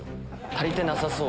足りてなさそう？